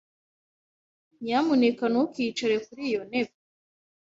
Nyamuneka ntukicare kuri iyo ntebe.